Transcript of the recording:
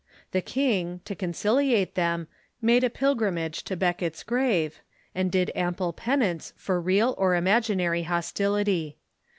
The king, to conciliate them, made a pilgrimage to Becket's grave, and did ample penance for real or imaginary hostility.